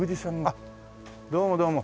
あっどうもどうも。